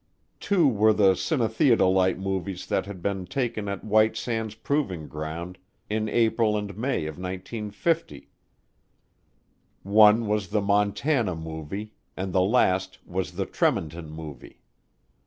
Two were the cinetheodolite movies that had been taken at White Sands Proving Ground in April and May of 1950, one was the Montana Movie and the last was the Tremonton Movie.